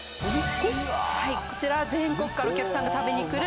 こちら全国からお客さんが食べに来る。